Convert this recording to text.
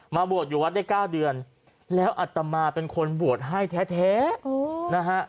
บวชอยู่วัดได้๙เดือนแล้วอัตมาเป็นคนบวชให้แท้นะฮะ